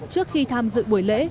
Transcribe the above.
trước khi tham dự buổi lễ